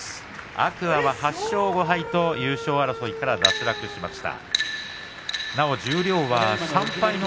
天空海は８勝５敗と優勝争いから脱落しました。